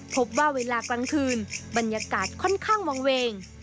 พบว่าเวลากลางคืนบรรยากาศค่อนข้างมองเวง